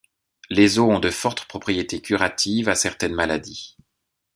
Les eaux ont de fortes propriétés curatives à certaines maladies.